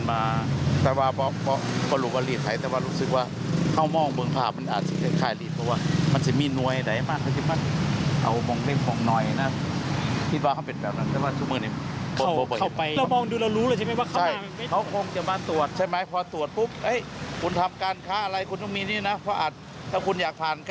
ไม่ปกติอย่างไรพี่หน่อยพี่เล่าหน่อย